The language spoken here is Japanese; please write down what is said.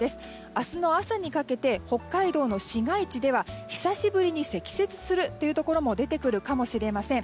明日の朝にかけて北海道の市街地では久しぶりに積雪するところも出てくるかもしれません。